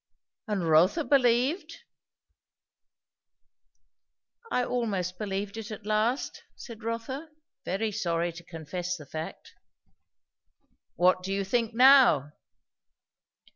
"And Rotha believed?" "I almost believed it at last," said Rotha, very sorry to confess the fact. "What do you think now?"